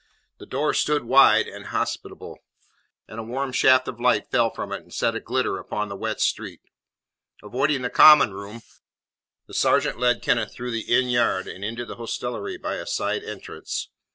The door stood wide and hospitable, and a warm shaft of light fell from it and set a glitter upon the wet street. Avoiding the common room, the sergeant led Kenneth through the inn yard, and into the hostelry by a side entrance.